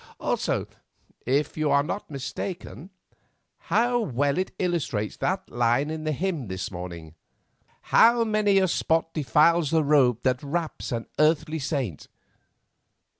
Also—if you are not mistaken—how well it illustrates that line in the hymn this morning: "'How many a spot defiles the robe that wraps an earthly saint.